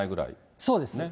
そうですね。